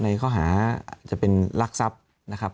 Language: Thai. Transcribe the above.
ในข้อหาจะเป็นรักทรัพย์นะครับ